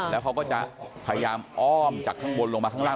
แล้วเขาก็จะพยายามอ้อมจากข้างบนลงมาข้างล่าง